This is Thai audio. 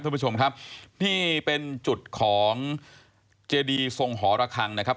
ท่านผู้ชมครับนี่เป็นจุดของเจดีทรงหอระคังนะครับ